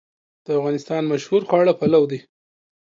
د افغانستان مشهور خواړه پلو دی